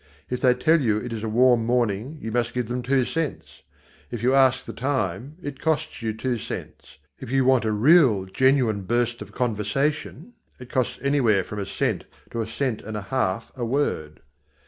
If they tell you it is a warm morning, you must give them two cents. If you ask the time, it costs you two cents. If you want a real genuine burst of conversation, it costs anywhere from a cent to a cent and a half a word.